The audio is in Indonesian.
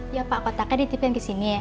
ya pak kotaknya dititipin kesini